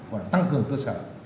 và tăng cường cơ sở